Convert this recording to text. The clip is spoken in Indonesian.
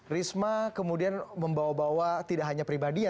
risma kemudian membawa bawa tidak hanya pribadi ya